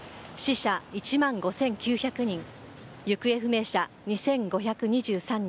死者１万５９００人行方不明者２５２３人。